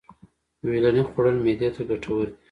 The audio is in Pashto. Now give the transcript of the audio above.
ویلنی خوړل خوړل معدې ته گټور دي.